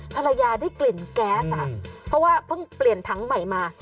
ภรรยาได้กลิ่นแก๊สเพราะว่าเพิ่งเปลี่ยนถังใหม่มา